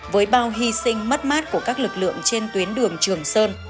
với bao hy sinh mất mát của các lực lượng trên tuyến đường trường sơn